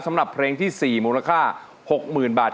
สำหรับเพลงที่๔มูลค่า๖๐๐๐บาท